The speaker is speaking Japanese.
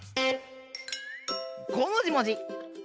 「ごもじもじ」。